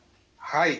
はい。